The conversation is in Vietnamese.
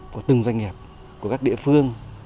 của từng doanh nghiệp của các địa phương